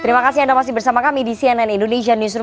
terima kasih anda masih bersama kami di cnn indonesia newsroom